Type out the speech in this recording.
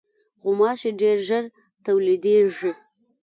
غوماشې ډېر ژر تولیدېږي.